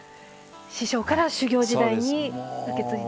師匠から修業時代に受け継いだ。